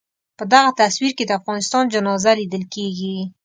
په دغه تصویر کې د افغانستان جنازه لیدل کېږي.